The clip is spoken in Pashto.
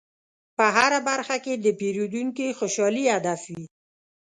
په هره برخه کې د پیرودونکي خوشحالي هدف وي.